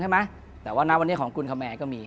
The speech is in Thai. ที่ผ่านมาที่มันถูกบอกว่าเป็นกีฬาพื้นบ้านเนี่ย